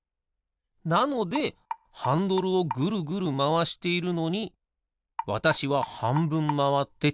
なのでハンドルをぐるぐるまわしているのにわたしははんぶんまわってちょっとやすむ。